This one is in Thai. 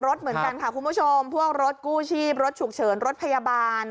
รถเหมือนกันค่ะคุณผู้ชมพวกรถกู้ชีพรถฉุกเฉินรถพยาบาล